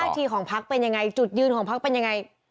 ทีของพักเป็นยังไงจุดยืนของพักเป็นยังไง